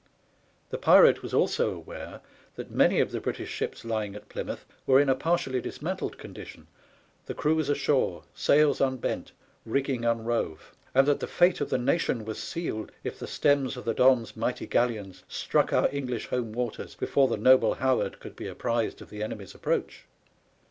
The pirate was also aware that many of the British ships lying at Plymouth were in a partially dismantled condition, the crews ashore, sails unbent, rigging un rove; and that the fate of the nation was sealed, if the stems of the Don's mighty galleons struck our English home waters before the noble Howard could be apprised of the enemy's approach.